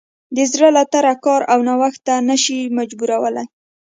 د زړه له تله کار او نوښت ته نه شي مجبورولی.